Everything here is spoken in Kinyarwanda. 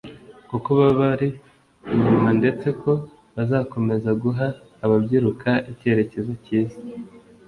kuko babari inyuma ndetse ko bazakomeza guha ababyiruka icyerekezo cyiza